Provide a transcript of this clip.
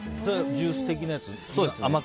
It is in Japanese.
ジュース的なやつ？